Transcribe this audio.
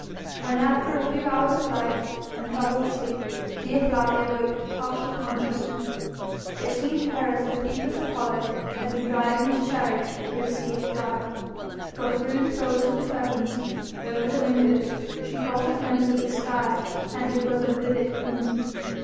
When after a few hours of light and troubled sleep Dea Flavia woke to partial consciousness, it seemed to her as if Phoebus Apollo had been driving his chariot through a sea of blood; for through the folds of the curtains over the windows she caught a glimpse of the sky, and it was of vivid crimson.